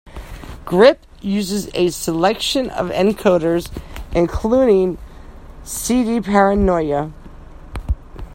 Grip uses a selection of encoders, including cdparanoia.